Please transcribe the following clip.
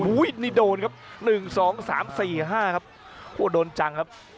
นี่โดนครับ๑๒๓๔๕ครับโอ้โดนจังครับ